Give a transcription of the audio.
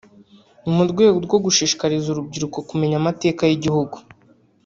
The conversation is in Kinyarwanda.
mu rwego rwo gushishikariza urubyiruko kumenya amateka y’igihugu